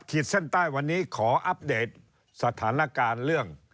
เส้นใต้วันนี้ขออัปเดตสถานการณ์เรื่อง